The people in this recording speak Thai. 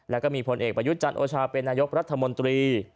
แล้วก็มีพลเอกบายุจันโอชาเป็นนายกรัฐมนตรี